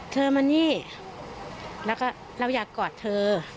เธอมานี่แล้วก็เราอยากกอดเธอ